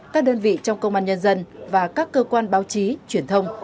các đơn vị trong công an nhân dân và các cơ quan báo chí truyền thông